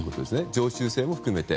常習性も含めて。